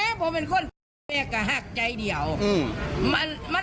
คุณสุลินบอกว่ามีความผูกพันกับคุณนักศิลป์ทำให้ดีใจมาก